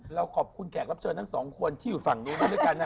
เราขอบคุณแขกรับเชิญทั้งสองคนที่อยู่ฝั่งนี้ด้วยด้วยกันนะ